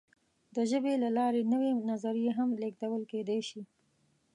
د ژبې له لارې نوې نظریې هم لېږدول کېدی شي.